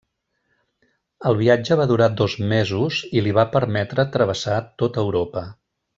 El viatge va durar dos mesos i li va permetre travessar tota Europa.